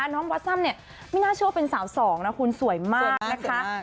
น้องบอสซัมเนี่ยไม่น่าเชื่อว่าเป็นสาวสองนะคุณสวยมากนะคะ